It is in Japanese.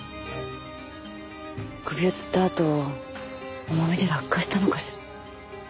首を吊ったあと重みで落下したのかしら。